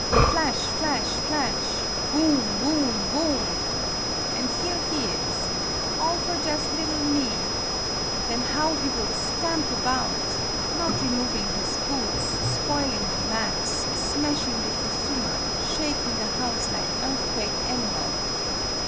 Flash ! flash ! flash ! Bourn! bourn! bourn ! An' here he is all for jus' liddle me ! Then how he will stamp about not remov ing his boots spoiling the mats smashing the fusuma shaking the house lig earth quake animal!